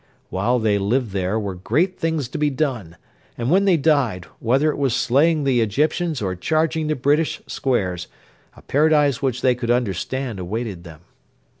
While they lived there were great things to be done; and when they died, whether it were slaying the Egyptians or charging the British squares, a Paradise which they could understand awaited them.